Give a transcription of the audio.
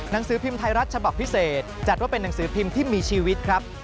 หนังสือพิมพ์ไทยรัฐฉบับพิเศษจัดว่าเป็นหนังสือพิมพ์ที่มีชีวิตครับ